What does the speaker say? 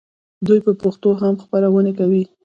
دوی په پښتو هم خپرونې کوي.